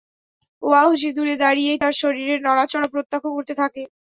ওয়াহশী দূরে দাঁড়িয়েই তার শরীরের নড়াচড়া প্রত্যক্ষ করতে থাকে।